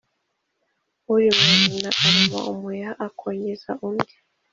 Uri mwanyina aruma umuheha akongeza undi.